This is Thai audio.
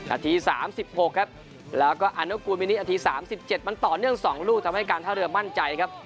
อาทิตย์๓๖ครับแล้วก็อัลโกเมนิอาทิตย์๓๗มันต่อเนื่อง๒ลูกทำให้การท่าเรือมั่นใจครับ